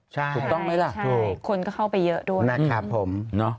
ถูกต้องไหมล่ะถูกคนก็เข้าไปเยอะด้วยนะครับผม